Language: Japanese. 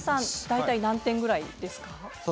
大体何点ぐらいですか。